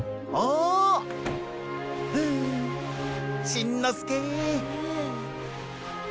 しんのすけ！